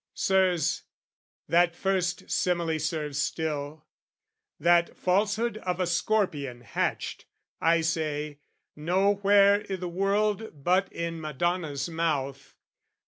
Sirs, that first simile serves still, That falsehood of a scorpion hatched, I say, Nowhere i' the world but in Madonna's mouth.